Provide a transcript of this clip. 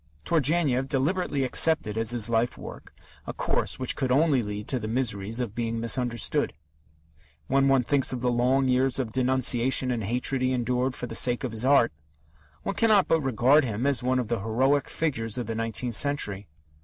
Turgenev deliberately accepted as his life work a course which could only lead to the miseries of being misunderstood. When one thinks of the long years of denunciation and hatred he endured for the sake of his art, one cannot but regard him as one of the heroic figures of the nineteenth century.